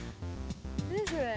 何それ。